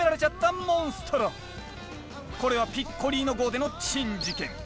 次はこれはピッコリーノ号での珍事件。